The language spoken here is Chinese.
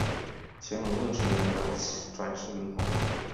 乾隆六十年的转世灵童。